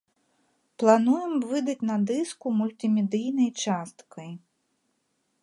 Плануем выдаць на дыску мультымедыйнай часткай.